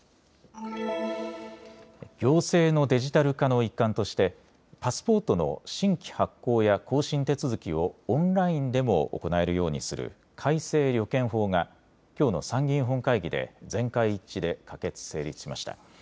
行政のデジタル化の一環としてパスポートの新規発行や更新手続きをオンラインでも行えるようにする改正旅券法がきょうの参議院本会議で全会一致で可決・成立しました。